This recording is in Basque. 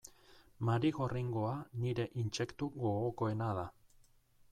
Marigorringoa nire intsektu gogokoena da.